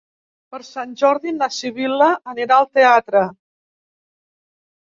Per Sant Jordi na Sibil·la anirà al teatre.